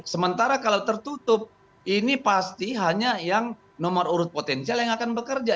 sementara kalau tertutup ini pasti hanya yang nomor urut potensial yang akan bekerja